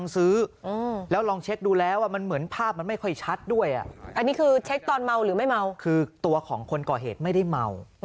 คือตัวของคนก่อเหสไม่ได้เมาเค้ายังมีสติอยู่แล้วน้องชายก็ยั่งว่าพี่เขาไม่เมา